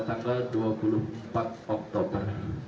tanggal dua puluh empat oktober